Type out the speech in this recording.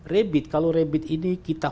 rebit kalau rebit ini kita